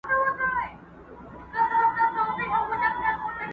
نه بيزو نه قلندر ورته په ياد وو٫